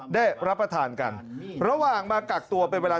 ได้รับประทานกันระหว่างมากักตัวเป็นเวลา